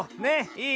いい？